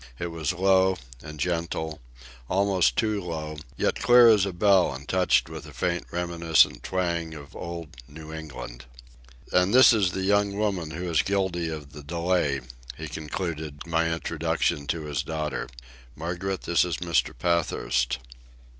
It was low and gentle, almost too low, yet clear as a bell and touched with a faint reminiscent twang of old New England. "And this is the young woman who is guilty of the delay," he concluded my introduction to his daughter. "Margaret, this is Mr. Pathurst."